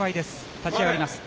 立ち上がります。